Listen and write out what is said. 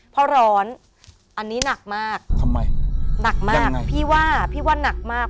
เพราะร้อนอันนี้หนักมากทำไมหนักมากพี่ว่าพี่ว่าหนักมาก